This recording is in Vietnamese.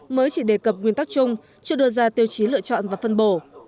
mới chỉ đề cập nguyên tắc chung chưa đưa ra tiêu chí lựa chọn và phân bổ